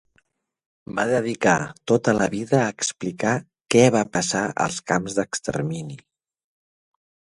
Va dedicar tota la vida a explicar què va passar als camps d'extermini.